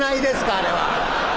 あれは。